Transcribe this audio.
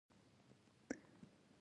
ارزښتونه په دریو کټګوریو ویشل کېږي.